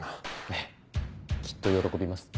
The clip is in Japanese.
ええきっと喜びます。